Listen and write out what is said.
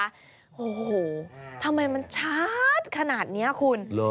โอ้โหทำไมมันชัดขนาดนี้คุณ